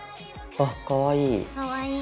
あかわいい。